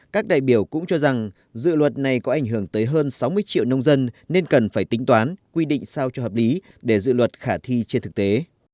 các đại biểu cũng cho rằng dự luật này có ảnh hưởng tới hơn sáu mươi triệu nông dân nên cần phải tính toán quy định sao cho hợp lý để dự luật khả thi trên thực tế